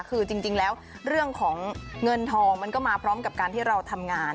คือจริงแล้วเรื่องของเงินทองมันก็มาพร้อมกับการที่เราทำงาน